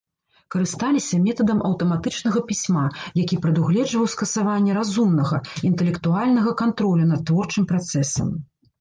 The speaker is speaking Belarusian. Карысталіся метадам аўтаматычнага пісьма, які прадугледжваў скасаванне разумнага, інтэлектуальнага кантролю над творчым працэсам.